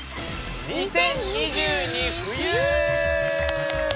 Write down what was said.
『２０２２冬』！